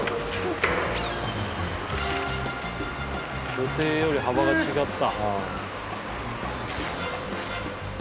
予定より幅が違った。